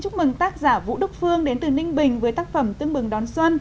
còn tác giả vũ đức phương đến từ ninh bình với tác phẩm tương bừng đón xuân